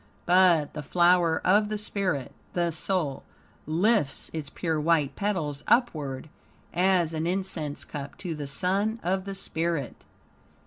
But the flower of the spirit the soul lifts its pure white petals upward as an incense cup to the Sun of the Spirit.